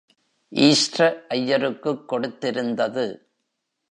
ஈஸ்ர அய்யருக்குக் கொடுத்திருந்தது.